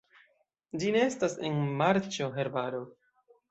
Ĝi nestas en marĉo, herbaro.